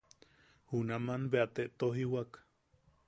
Junaman bea te tojiwak.